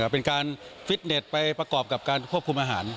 เป็นการฟิตเน็ตไปประกอบกับการควบคุมอาหาร